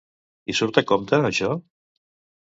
I surt a compte, això?